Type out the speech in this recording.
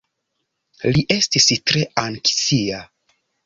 Li estis tre anksia.